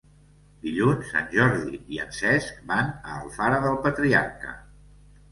Dilluns en Jordi i en Cesc van a Alfara del Patriarca.